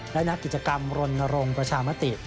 และนักกิจกรรมรณรงค์ประชามติ